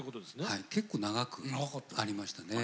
はい結構長くありましたね。